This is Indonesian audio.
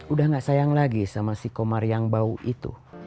udah gak sayang lagi sama si komar yang bau itu